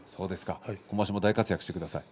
今場所も大活躍してください。